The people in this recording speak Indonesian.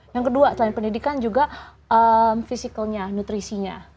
yang kedua selain pendidikan juga fisikalnya nutrisinya